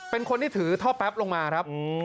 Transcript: เป็นคนที่ถือท่อแป๊บลงมาครับ